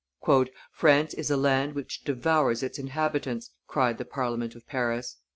"France is a land which devours its inhabitants," cried the Parliament of Paris.